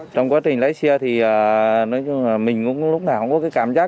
trong quá trình lái xe thì nói chung là mình cũng lúc nào cũng có cảm giác